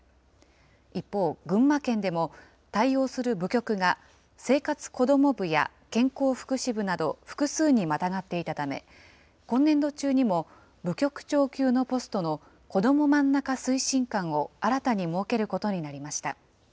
一方、群馬県でも対応する部局が生活こども部や健康福祉部など、複数にまたがっていたため、今年度中にも部局長級のポストのこどもまんなか推進監を新たに設けることになりました。